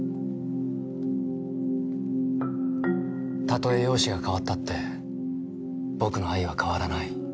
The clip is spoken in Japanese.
例え容姿が変わったって僕の愛は変わらない。